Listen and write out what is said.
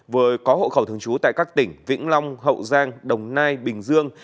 vừa có hộ khẩu thường trú tại các tỉnh vĩnh long hậu giang đồng nai bình dương